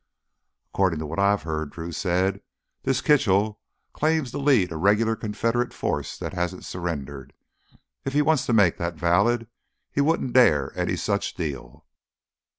"According to what I've heard," Drew said, "this Kitchell claims to lead a regular Confederate force that hasn't surrendered. If he wants to make that valid, he wouldn't dare any such deal!"